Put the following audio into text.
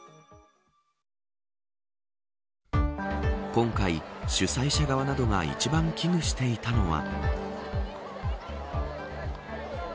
今回、主催者側などが一番危惧していたのは。